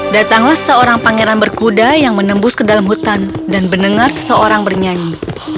datanglah seorang pangeran berkuda yang menembus ke dalam hutan dan mendengar seseorang bernyanyi